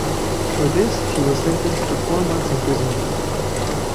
For this she was sentenced to four months imprisonment.